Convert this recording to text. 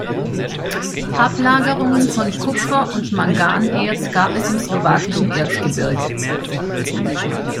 Ablagerungen von Kupfer- und Manganerz gab es im Slowakischen Erzgebirge.